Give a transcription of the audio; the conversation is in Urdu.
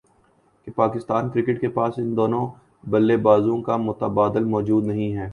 کہ پاکستان کرکٹ کے پاس ان دونوں بلے بازوں کا متبادل موجود نہیں ہے